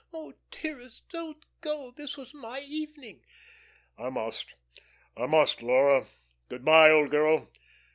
"Oh, dearest, don't go! This was my evening." "I must, I must, Laura. Good by, old girl.